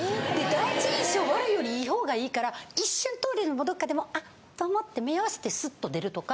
第一印象が悪いよりいい方がいいから一瞬トイレでもどっかでもあっと思って目合わしてスッと出るとか。